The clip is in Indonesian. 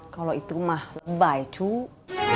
kalo itu mah bye cuk